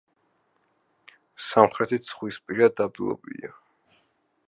სამხრეთით ზღვისპირა დაბლობია.